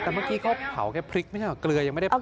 แต่เมื่อกี้เขาเผาแค่พริกไม่ใช่เกลือยังไม่ได้เผา